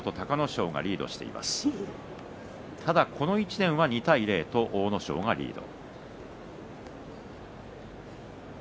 この１年は２対０と阿武咲がリード。